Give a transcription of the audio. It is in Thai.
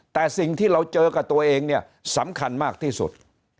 แต่สิ่งที่เราเจอกับตัวเองเนี่ยสำคัญมากที่สุด